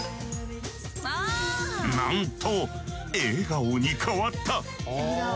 なんと笑顔に変わった！